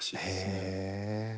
へえ。